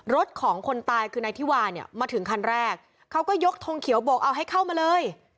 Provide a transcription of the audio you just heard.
รถของคนตายคือนายธิวาเนี่ยมาถึงคันแรกเขาก็ยกทงเขียวโบกเอาให้เข้ามาเลย